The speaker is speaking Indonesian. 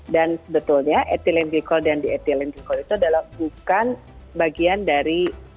dan sebetulnya ethylene glycol dan di ethylene glycol itu adalah bukan bagian dari